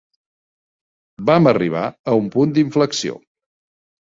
Vam arribar a un punt d'inflexió.